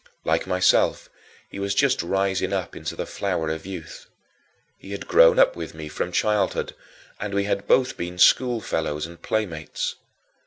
Like myself, he was just rising up into the flower of youth. He had grown up with me from childhood and we had been both school fellows and playmates.